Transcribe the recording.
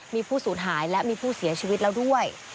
มีผู้สูญหายและมีผู้เสียชีวิตแล้วด้วย